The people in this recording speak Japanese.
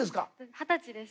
二十歳です。